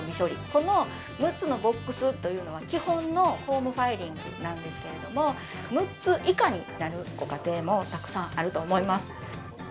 この６つのボックスというのは、基本のホームファイリングなんですけれども、６つ以下になるご家庭もたくさんあると思います。